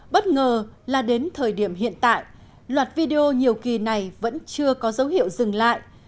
bất ngờ là đến thời điểm hiện tại loạt video nhiều kỳ này vẫn chưa có dấu hiệu dừng lại